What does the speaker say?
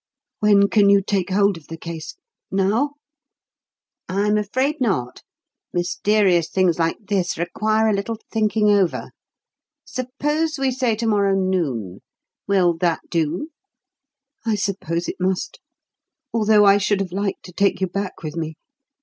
When can you take hold of the case? Now?" "I'm afraid not. Mysterious things like this require a little thinking over. Suppose we say to morrow noon? Will that do?" "I suppose it must, although I should have liked to take you back with me.